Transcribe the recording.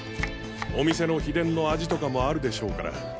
お店の秘伝の味とかもあるでしょうから。